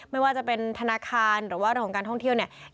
ไม่ว่าจะเป็นธนาคารหรือว่าเรื่องของการท่องเที่ยวเนี่ย